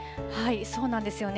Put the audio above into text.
そうなんですよね。